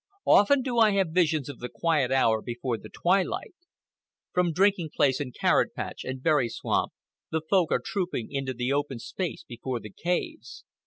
Often do I have visions of the quiet hour before the twilight. From drinking place and carrot patch and berry swamp the Folk are trooping into the open space before the caves.